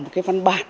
một cái văn bản